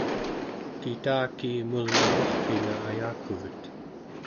kitaki mulngakurqina ayakuvet